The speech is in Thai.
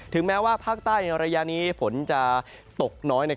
แม้ว่าภาคใต้ในระยะนี้ฝนจะตกน้อย